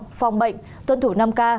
phòng bệnh tuân thủ năm k